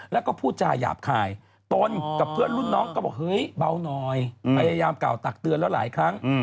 แล้วก็พูดจาหยาบคายตนกับเพื่อนรุ่นน้องก็บอกเฮ้ยเบาหน่อยพยายามกล่าวตักเตือนแล้วหลายครั้ง